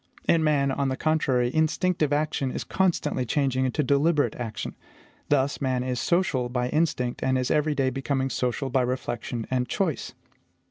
In man, on the contrary, instinctive action is constantly changing into deliberate action. Thus, man is social by instinct, and is every day becoming social by reflection and choice.